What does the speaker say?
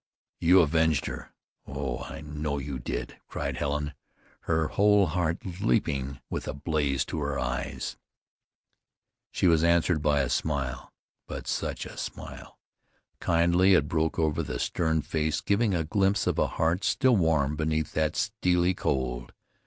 "You avenged her! Oh! I know you did!" cried Helen, her whole heart leaping with a blaze to her eyes. She was answered by a smile, but such a smile! Kindly it broke over the stern face, giving a glimpse of a heart still warm beneath that steely cold.